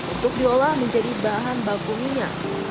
untuk diolah menjadi bahan baku minyak